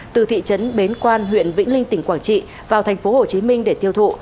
từ thị trấn bến quan huyện vĩnh linh tỉnh quảng trị vào tp hcm để tiêu thụ